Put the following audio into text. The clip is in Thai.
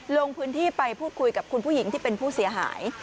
ลงพื้นที่ไปพูดคุยกับคุณผู้หญิงที่เป็นผู้เสียหาย